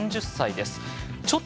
３０歳です。